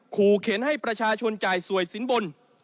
ขู่เข็นให้ประชาชนจ่ายสวยสินบน